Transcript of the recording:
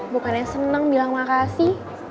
bukannya seneng bilang makasih